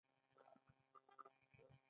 خوشحال خان خټک یو ستر شاعر و.